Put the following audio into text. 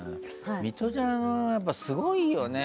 ミトちゃんはすごいよね。